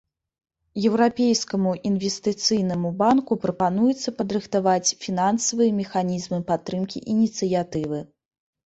Еўрапейскаму інвестыцыйнаму банку прапануецца падрыхтаваць фінансавыя механізмы падтрымкі ініцыятывы.